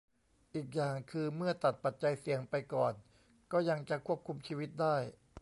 อีกอย่างคือเมื่อตัดปัจจัยเสี่ยงไปก่อนก็ยังจะควบคุมชีวิตได้